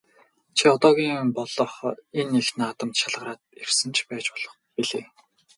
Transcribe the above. Чи одоогийн болох энэ их наадамд шалгараад ирсэн ч байж болох билээ.